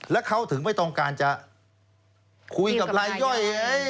แล้วเขาถึงไม่ต้องการจะคุยกับรายย่อย